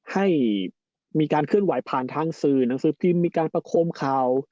ให้มีการเคลื่อนไหวผ่านทางสื่อหนังสือพิมพ์มีการประคมข่าว